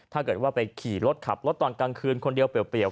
ถ้าเกิดว่าไปขี่รถขับรถตอนกลางคืนคนเดียวเปรียว